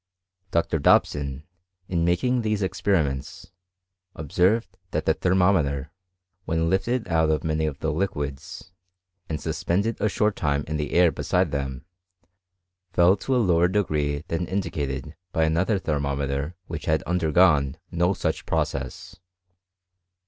Dr. Dobson, in making these experiments, observed that the ther mometer, when lifted out of many of the liquids, and suspended a short time in the air beside them, fell to a . lower degree than indicated by another thermometer which had undergone no such process.